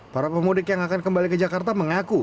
para pemudik yang akan kembali ke jakarta mengaku